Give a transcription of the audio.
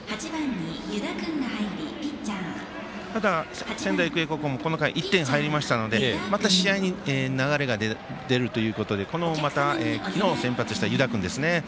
ただ、仙台育英高校も、この回１点入りましたので、また試合に流れが出るということで昨日も先発した湯田君ですね。